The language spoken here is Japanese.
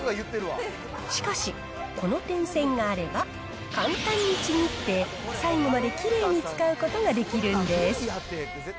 しかし、この点線があれば、簡単にちぎって、最後まできれいに使うことができるんです。